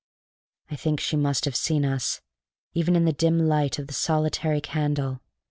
I think she must have seen us, even in the dim light of the solitary candle.